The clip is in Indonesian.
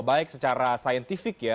baik secara saintifik ya